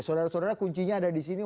saudara saudara kuncinya ada di sini